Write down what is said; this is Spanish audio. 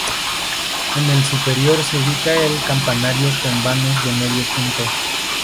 En el superior se ubica el campanario con vanos de medio punto.